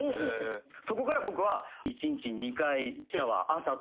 そこから僕は。